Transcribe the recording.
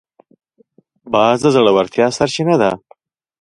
باز د زړورتیا سرچینه ده